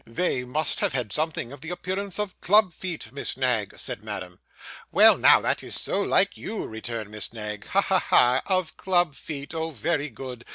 'They must have had something of the appearance of club feet, Miss Knag,' said Madame. 'Well now, that is so like you,' returned Miss Knag, 'Ha! ha! ha! Of club feet! Oh very good!